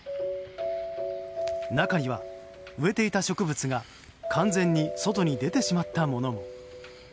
中には、植えていた植物が完全に外に出てしまったものも。